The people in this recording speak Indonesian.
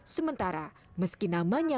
sementara meski namanya